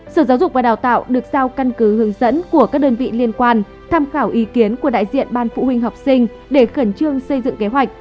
sở giáo dục và đào tạo được giao căn cứ hướng dẫn của các đơn vị liên quan tham khảo ý kiến của đại diện ban phụ huynh học sinh để khẩn trương xây dựng kế hoạch